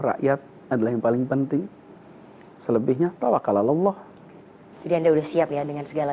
rakyat adalah yang paling penting selebihnya tawakalalallah dan udah siap ya dengan segala